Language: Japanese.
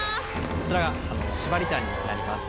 こちらが縛りタンになります。